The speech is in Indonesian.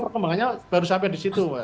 hoel perkembangannya baru sampai di situ